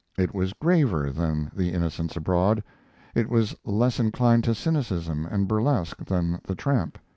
It was graver than the Innocents Abroad; it was less inclined to cynicism and burlesque than the Tramp.